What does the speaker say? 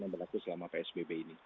yang berlaku selama psbb ini